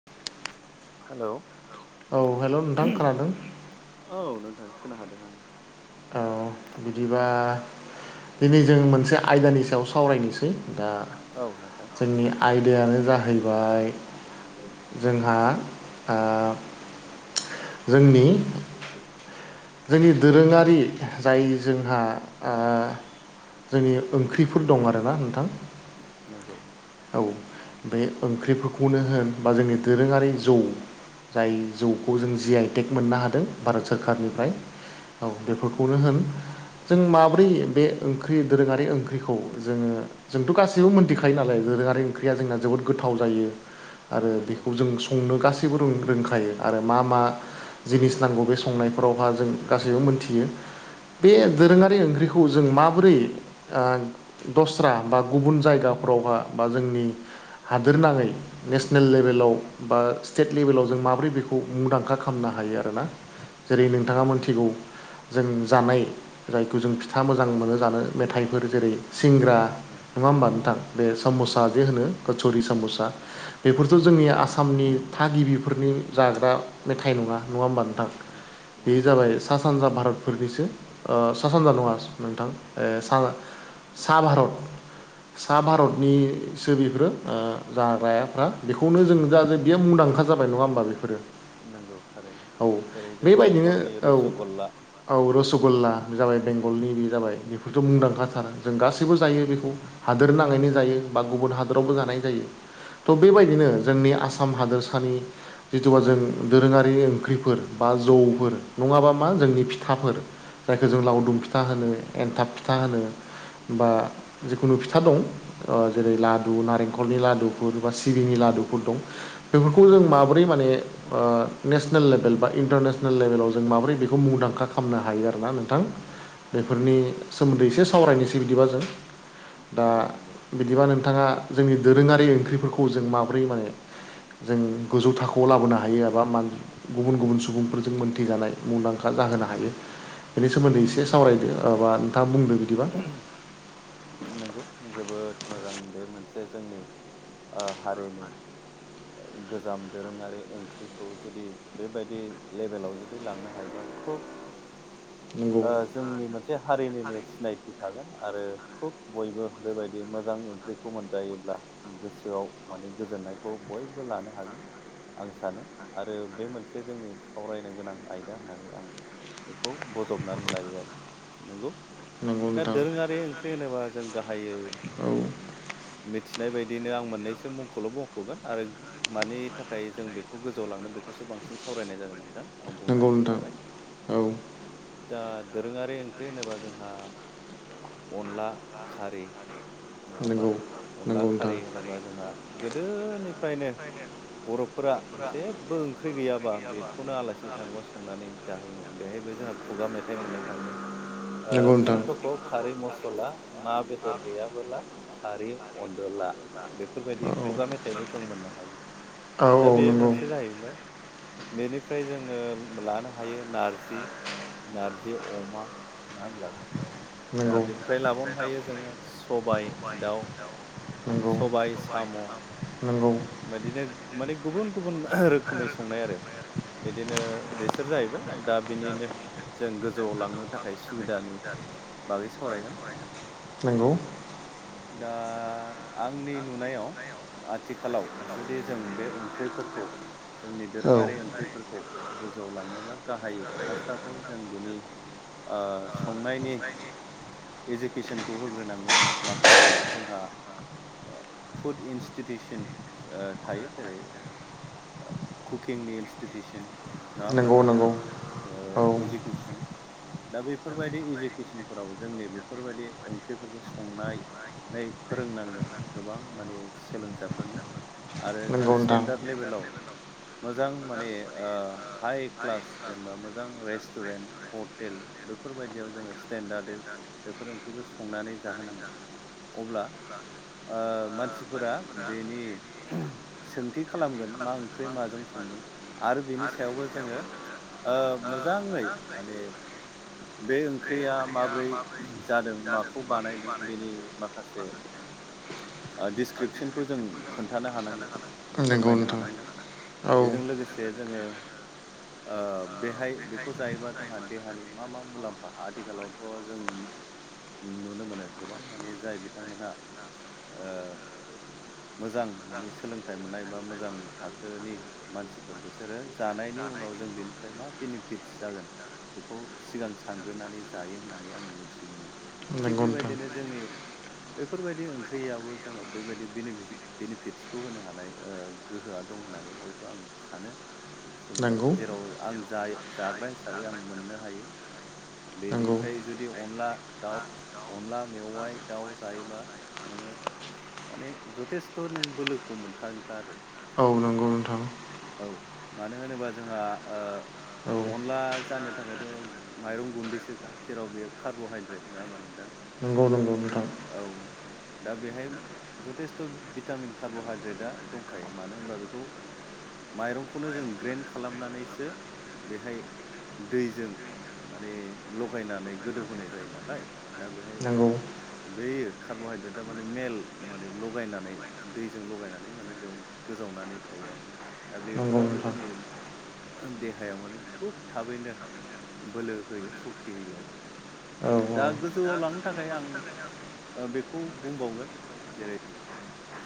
[unintelligible] Hello औ hello नोंथां खोनादों औ नोंथां खोन हादों आं बिदिबा दिनै जों मोनसे आयदानि सायाव सावरायनोसै दा जोंनि आयदायानो जाहैबाय। जोंहा जोंनि जोंनि दोरोङारि जाय जोंहा जोंनि ओंख्रिफोर दं आर ना नोंथां। औ बे ओंख्रिफोरखौनो होन बा जोंनि दोरोङारि जौ जाय जौखौ जों जि आइटेक मोननो हादों भारत सोररखारारनिफ्राय औ बेफोरखौनो होन जों माब्रै बे ओंख्रि दोरोङारि ओंख्रिखौ जोङो जोंथ' गासिबो मोनथिखायो नालाय गोरोङारि ओंख्रिया जोंना जोबोद गोथाव जायो आरो बेखौ जों संनो गासैबो रोंखायो आरो मा मा जिनिस नांगौ बे संनाय फोरावहा जों गासैबो मोनथियो बे दोरोङारि ओंख्रिखौ जों माबोरै दस्रा बा गुबुन जायगाफ्रावहा बा जोंनि हादोर नाङै नेसनेल लेभेलाव बा स्टेट लेबेलाव जों माबोरै बेखौ मुंदांखा खालामनो हायो आर ना जेरै नोंथाङा मोनथिगौ जों जानाय जायखौ जों फिथा मोजां मोनो जानो मेथाइफोर जेरै सिंग्रा नङा होमबा नोंथां बे साम'सा जे होनो कसुरि साम'सा बेफोरथ' जोंनि आसामनि थागिबिफोरनि जाग्रा मेथाइ नङा नङा होमबा नोंथां [unintelligible] बे जाबाय सा सानजा भारत फोरनिसो स सानजा नङा नोंथां सा भारत सा भारतनि सोरोबिफोरो जा रायाफ्रा बेखौनो जों द जे बेयो मुंदांखा ज जाबाय नङा होमबा बेफोरो नांगौ थारैनो जेरै जों बेंगलनि रुसुगल्ला औ रसगल्ला बे जाबाय बेंगलनि बे जाबाय बेफोरथ' मुंदांखाथार जों गासैबो जायो बेखौ हादोर नाङैनो जायो बा गुबुन हादोरावबो जानाय जायो। थ' बेबायदिनो जोंनि आसाम हादोरसानि जिथुुबा जों दोरोङारि ओंख्रिफोर बा जौफोर नङाबा मा जोंनि फिथाफोर जायखौ जों लावदुम फिथा होनो एन्थाब फिथा होनो बा जिखुनु फिथा दं जेरै लादु नारेंखलनि लादु बा सिबिनि लादुफोर दं बेफोरखौ जों माबोर्रै माने नेसनेल लेभेल बा इन्टारनेसनेल लेभेलाव जों माबोरै बेखौ मुंदांखा खालामनो हायो आरोना नोंथां बेफोरनि सोमोन्दै एसे सावरायनोसै बिदिबा जों दा बिदिबा नोंथाङा जोंनि दोरोङारि ओंख्रिफोरखौ जों माबोरै माने जों गोजौ थाखोआव खौ लाबोनो हायो एबा गुबुन गुबुन सुबुंफोरजों मोनथिजानाय मुंदांखा जाहोनो हायो बेनि सोमोन्दै एसे सावरायदो बा नोंथाङा बुंद बिदिबा नंगौ जोबोद मोजां बे मोनसे जोंनि हारिनि गोजाम दोरोङारि ओंख्रिखौ जुदि बेबायदि लेबेलाव जुदि लांनो हायोबा खुब जोंनि मोनसे हारिनिनो सिनायथि थागोन आरो खुब बयबो बेबायदि मोजां ओंख्रिखौ मोनजायोब्ला गोसोआव माने गोजोननायखौ बयबो लानो हागोन। आं सानो आरो बे मोनसे जोंनि सावरायनो गोनां आयदा होननानै आं बेखौ बजबनानै लायो आरो नंगौ दा दोरोङारि ओंख्रि होनोबा जों गाहायै मिथिनाय बायदिनो आं मोननैसो मुंखौल' मख'गोन आरो मानि थाखाय जों बेखौ गोजौ लांनो बेखौसो बांसिन सावरायनाय जागोन नोंथां आं बुंनानै दोनखाबाय औ दा दोरोङारि ओंख्रि होनोबा जोंहा अनला खारै नङा होमबा अनला खारै होनोबा जोंहा गोदोनिफ्रायनो बर'फोरा जेबो ओंख्रि गैयाबा बेखौनो आलासि थाङोबा संनानै जाहोयोमोन। बेहायबो जोंहा खुगा मेथाइ मोननो थाङो थिं थख' खारै मसला ना बेदर गैयाबोला खारि अनदोला बे फोरबायदि खुगा मेथाइबो जों मोननो हायो दा बे मोनसे जाहैबाय बेनिफ्राय जोङो लानो हायो नारजि नारजि अमा नङा होनबा दा बिनिफ्राय लाबावनो हायो जोङो सबाय दाउ, सबाय साम' नंगौ। बिदिनो माने गुबुन गुबुन रोखोमै संनाय आरो बिदिनो बेसोर जाहैबाय दा बिनिनो जों गोजौआव लांनो थाखाय सुबिदानि नंगौ दा आंनि नुनायाव आथिखाल खालाव जुदि जों बे ओंख्रिफोरखौ जोंनि दोरोङारि ओंख्रिफोरखौ गोजौआव लांनोब्ला गाहायै फार्स्ट अफ अल जों बिनि ओ संनायनि इडुकेसनखौ होग्रोनांगोन माखासे जोंहा फुड इन्स्टिटिउसन थायो जेरै-कुकिंनि इन्स्टिटिउसन नङा होमब्ला नोंथाओ इडुकेसन दा बेफोरबायदि इडुकेसनफोराव जोंनि बेफोरबायदि ओंख्रिफोरखौ संनाय नै फोरोंनांगोन गोबां माने सोलोंसाफोरनो आरो जों स्टेन्डार्ड लेभेलाव मोजां माने ओ हाइ क्लास जेनेबा मोजां रेस्टुरेन्ट हटेल बेफोरबायदियाव जोङो स्टेन्डादै बेफोर ओंख्रिखौ संनानै जाहोनांगोन अब्ला ओ मानसिफोरा बेनि सोंथि खालामगोन मा ओंख्रि माजों संदों आरो बिनि सायावबो जोङो ओ मोजाङै माने बे ओंख्रिया माब्रै जादों माखौ बानायदों बेनि माखासे [inaudible] डिसक्रिपसनखौ जों खोन्थानो हानांगोन फोरमायनो हानांगोन। बेजों लोगोसे जोङो ओ बेहाय बेखौ जायोबा जोंहा देहानि मा मा मुलाम्फा आथिखालावथ' जों नुनो मोनो गोबां माने जाय बिथांमोनहा ओ मोजां माने सोलोंथाइ मोननाय बा मोजां थाखोनि मानसिफोर बिसोरो जानायनि उनाव जों बेनिफ्राय मा बेनिफिटस जागोन बेखौ सिगां सानग्रोनानै जायो होननानै आं मिथिनो मोनो। थिग बेबायदिनो जोंनि बेफोरबायदि ओंख्रियाबो जोंनाव बेबायदि बेनिफिट सुखौ होनो हानाय ओ गोहोआ दं होननानै हयथ' आं सानो। [unintelligible] जेराव आं जाय जाग्रा हिसाबै आं मोननो हायो। बेनिफ्राय जुदि अनला दाउ अनला मेवाइ दाउ जायोब्ला नोङो माने जथेस्थ' नों बोलोखौ मोनखागोन खा आरो। औ नंगौ नोंथां। औ मानो होनोबा जोंहा ओ अनला जानो थाखायथ' माइरं गुन्दैसोखा जेराव बेयो कार्ब'हाइद्रेट नोङा होमबा नोंथां। नंगौ नंगौ नोंथां। औ दा बेहाय जथेस्थ' भिटामिन। कार्ब'हाइद्रेटआ दंखायो मानो होनबा बेखौ। माइरंखौनो जों ग्रेन खालामनानैसो बेहाय दैजों माने लगायनानै गोदौहोनाय जायो नालाय। दा बेहाय बै कार्ब'हाइद्रेटआ माने मेल माने लगायनानै दैजों लगायनानै माने बेव गोजावनानै थायो आरो दा बेफोरावनो जोंनि देहायाव माने खुब थाबैनो बोलो होयो सक्ति होयो आरो। दा गोजौआव लांनो थाखाय आं बेखौ बुंबावगोन जेरै-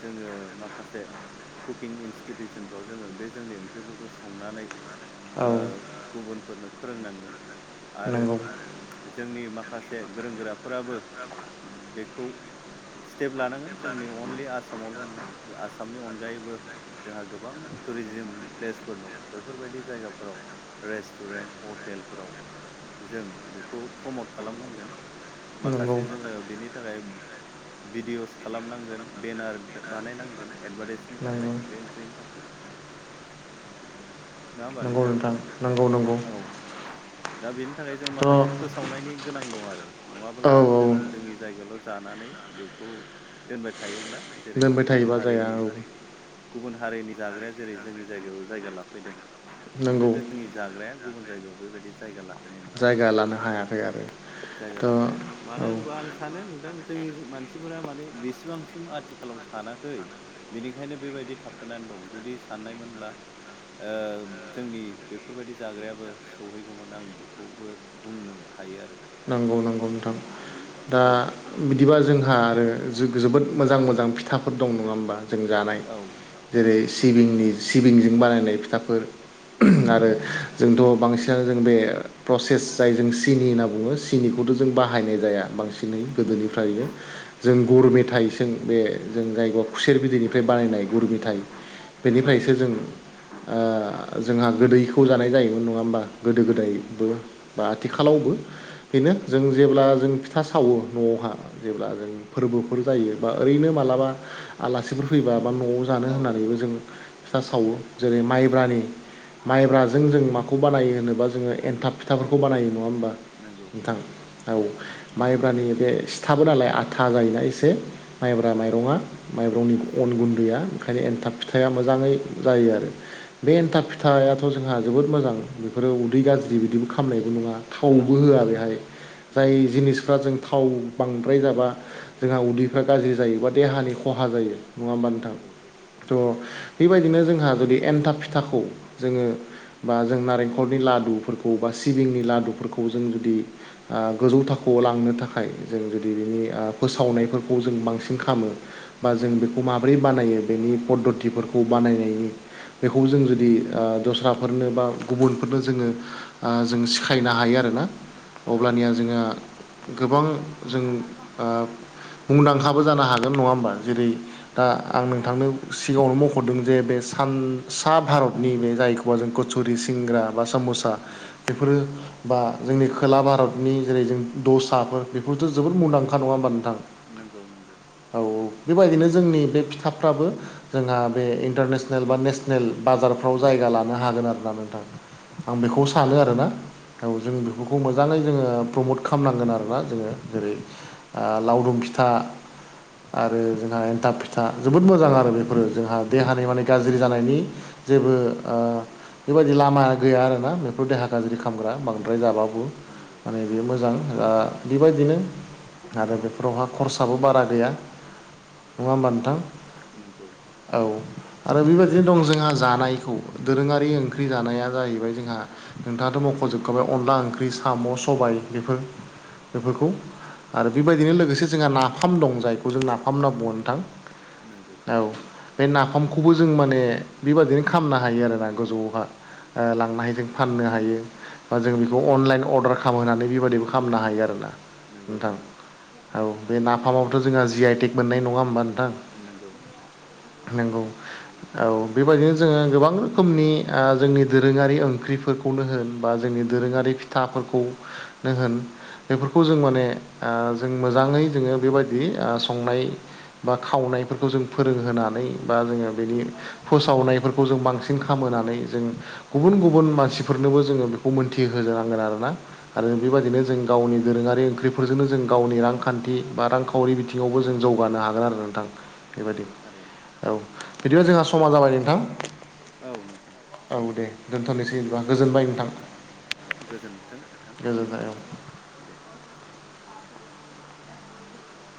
जोङो माखासे कुकिं इन्स्टिटिउसनफ्राव जोङो बे जोंनि ओंख्रिफोरखौ संनानै ओ गुबुनफोरनो फोरोंनांगोन। आरो जोंनि माखासे गोरों गोराफोराबो बेखौ स्टेप लानांगोन जोंनि अनलि आसा मावल' नङा आसामनि अनगायैबो जोंहा गोबां टुरिजिम प्लेसफोर दं बेफोरबायदि जायगाफोराव रेस्टुरेन्ट हटेलफोराव जों बेखौ प्रमट खालामनांगोन। माखासे जोङो बेनि थाखाय भिडिअ'स खालामनांगोन बेनार बानायनांगोन एडभार्टाइसनि थाखाय बे ओंख्रिनि थाखाय। नङा होमबा नोंथां औ दा बेनि थाखाय जों माखासे फो सावनायनि गोनां दं आरो नङाब्ला जों जोंनि जायगायावल' जानानै बेखौ दोनबाय थायोब्ला जेरै गुबुन हारिनि गुबुन हारिनि जाग्राया जेरै जोंनि जायगायाव जायगा लाफैदों खिन्थु जोंनि जाग्राया गुबुन जायगायाव बेबायदि जायगा ला जायगा लानो हायाखै मानो होनोबा आं सानो नोंथां जोंनि मानसिफोरा माने बेसेबांसिम आथि खालाव सानाखै बेनिखायनो बेबायदि थाबथानानै दं जुदि साननायमोनब्ला ओ जोंनि बेफोरबायदि जाग्रायाबो सौहैगौमोन आं बेखौबो बुंनो हायो आरो। नंगौ नंगौ नोंथां दा बिदिबा जोंहा आरो जोग जोबोद मोजां मोजां फिथा फोर दं नङा होमबा जों जानाय जेरै सिबिंनि सिबिंजों बानायनाय फिथाफोर। आरो जोंथ' बांसिनानो जों बे प्रसेस जाय जों सिनि होनना बुङो। सिनिखौथ' जों बाहायनाय जाया बांसिनै गोदोनिफ्रायनो। जों गुर मेथाइसों बे जों जायगायाव खुसेर बिदैनिफ्राय बानायनाय गुर मेथाइ। बेनिफ्रायसो जों ओ जोंहा गोदैखौ जानाय जायोमोन नङा होमबा गोदो गोदायबो। बा आथिखालावबो बेनो जों जेब्ला जों फिथा सावो न'आवहा जेब्ला जों। फोरबोफोर जायो बा ओरैनो मालाबा आलासिफोर फैबा बा न'आव जानो होननानैबो जों। फिथा सावो जेरै माइब्रानि। माइब्राजों जों माखौ बानायो होनोबा जोङो एनथाब फिथाफोरखौ बानायो नङा होमबा। नोंथां औ माइब्रानि बे सिथाबो नालाय। आथा जायोना एसे माइब्रा माइरङा। माइब्रंनि अन गुन्दैया ओंखायनो एनथाब फिथाया मोजाङै जायो आरो। बे एन्थाब फिथायाथ' जोंहा जोबोद मोजां बेफोरो उदै गाज्रि बिदिबो खालाम नायबो नङा। खालामो खालामो जाय जिनिसफ्रा जों थाव। बांद्राय जाबा जोंहा उदैफ्रा गाज्रि जायो बा देहानि खहा जायो नङा होमबा नोंथां। थ' बेबायदिनो जोंहा जुदि एन्थाब फिथाखौ जोङो बा जों नारेंखलनि लादुफोर खौ बा सिबिंनि लादुफोरखौ जों जुदि गोजौ थाखोआव लांनो थाखाय जों जुदि ओ बिनि फोसावनायफोरखौ जों बांसिन खामो बा जों बेखौ माबोरै बानायो बेनि पद्धथिफोरखौ बानायनायनि बेखौ जों जुदि ओ द स्राफोरनो बा गुबुनफोरनो जोङो जों ओ सिखायनो हायो आर ना। अब्लानिया जोङो गोबां जों ओ ओ मुंदांखाबो जानो हागोन नङा होमबा जेरै ओ आं नोंथांनो सिगाङावनो मख'दों जे बे सान सा भारतनि बे जायोखौबा जों कचुरि सिंग्रा बा साम'सा बेफोरो बा जोंनि भारतनि जेरै जों दसाफोर बेफोरथ' जोबोद मुंदांखा नङा होमबा नोंथां औ औ बेबायदिनो जोंनि बे फिथाफ्राबो जोंहा बे इन्टारनेसनेल बा नेसनेल बाजारफ्राव जायगा लानो हागोन आर ना नोंथां। आं बेखौ सानो आरोना। औ जों बेखौ खौ मोजाङै जोङो प्रमट खालामनांगोन आरोना जोङो जेरै आ लावदुम फिथा आरो जोंहा एन्थाब फिथा जोबोद मोजां आरो बेफोरो जोंहा देहानि माने गाज्रि जानायनि जेबो ओ बेबायदि लामा गैया आरोना बेखौ देहा गाज्रि खामग्रा बांद्राय जाबाबो माने बे मोजां दा बेबायदिनो आरो बेफोरावहा खरसाबो बारा गैया। नङा होमबा नोंथां औ। आरो बेबायदिनो दं जोंहा जानायखौ दोरोङारि ओंख्रि जानाया जाहैबाय जोंहा नोंथाङाथ' मख'जोबखाबाय अनला ओंख्रि साम' सबाय बेफोर बेफोरखौ आरो बेबायदिनो लोगोसे जोंहा नाफाम दं, जायखौ जों नाफाम होनना बुङो नोंथां। नोंगौ। बे नाफामखौबो जों माने बेबादिनो खालामामनो हायो आरोना गोजौआवहा। आ लांनो हायो जों फाननो हायो बा जों बेखौ अनलाइन अर्डार खालामहोनानै बेबायदिबो खालामनो हायो आरोना। नोंथां औ बे नाफामावथ' जोंहा जि आइटेक मोननाय नङा होमबा नोंथां नोंगौ। नोंगौ औ। बेबायदिनो जोङो गोबां रोखोमनि आ जोंनि दोरोङारि ओंख्रिफोरखौनो होन बा जोंनि दोरोङारि फिथाफोरखौ नो होन बेफोरखौ जों माने ओ जों मोजाङै जोङो बेबायदि आ संनाय बा खावनायफोरखौ जों फोरोंहोनानै बा जोङो बेनि फोसावनायफोरखौ जों बांसिन खामोनानै जों गुबुन गुबुन मानसि फोरनोबो जोङो बेखौ मोन्थिहोनांगोन आरोना। आरो बेबायदिनो जों गावनि दोरोङारि ओंख्रिफोरजोंनो जों गावनि रांखान्थि बा रां हरै बिथिङावबो जों जौगानो हागोन आरो नोंथां। नोंगौ थारैनो। औ बिदिबा जोंहा समा जाबाय नोंथां। औ दे दोनथ'नोसै। दे होनबा गोजोनबाय नोंथां। गोजोन्थों नोंथां आंनिफ्रायबो। दे [unintelligible]